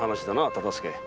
忠相。